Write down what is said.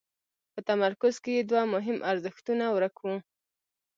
په تمرکز کې یې دوه مهم ارزښتونه ورک وو.